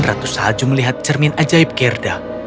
lalu ratu salju melihat cermin ajaib gerda